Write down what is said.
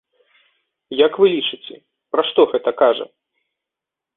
Як вы лічыце, пра што гэта кажа?